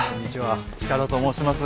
近田と申します。